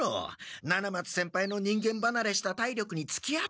七松先輩の人間ばなれした体力につきあったんだから。